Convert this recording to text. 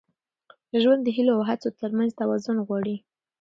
ژوند د هیلو او هڅو تر منځ توازن غواړي.